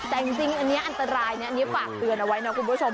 แต่จริงอันนี้อันตรายนะอันนี้ฝากเตือนเอาไว้นะคุณผู้ชม